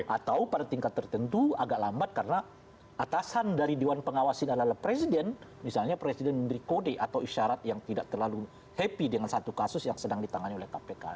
atau pada tingkat tertentu agak lambat karena atasan dari dewan pengawas ini adalah presiden misalnya presiden memberi kode atau isyarat yang tidak terlalu happy dengan satu kasus yang sedang ditangani oleh kpk